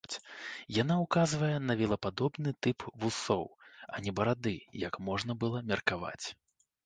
Яна ўказвае на вілападобны тып вусоў, а не барады, як можна было меркаваць.